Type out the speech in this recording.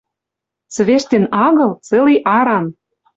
Цӹвештен агыл, целый аран.